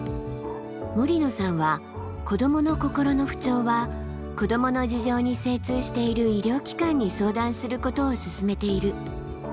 森野さんは子どもの心の不調は子どもの事情に精通している医療機関に相談することを勧めている。